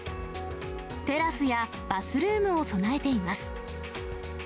テラスやバスルームを備えています。